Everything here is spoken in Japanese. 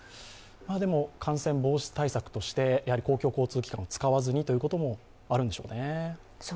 感染防止対策として、公共交通機関を使わずにということもあるのでしょうか。